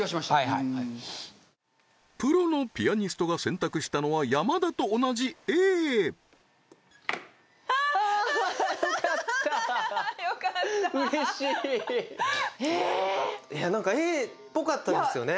はいプロのピアニストが選択したのは山田と同じＡああーああーよかったよかったうれしいええーいやなんかＡっぽかったですよね？